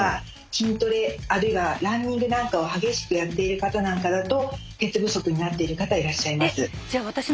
筋トレあるいはランニングなんかを激しくやっている方なんかだと鉄不足になっている方いらっしゃいます。